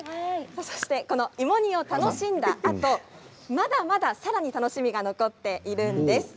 そしてこの芋煮を楽しんだあとまだまださらに楽しみが残っているんです。